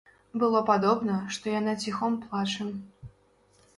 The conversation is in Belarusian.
Было падобна, што яна ціхом плача.